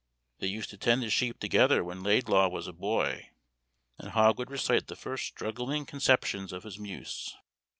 They used to tend the sheep together when Laidlaw was a boy, and Hogg would recite the first struggling conceptions of his muse.